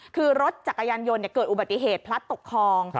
คือรถจักรยานยนต์เกิดอุบัติเหตุพลัดตกคลอง